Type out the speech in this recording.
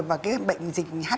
và cái bệnh dịch bệnh này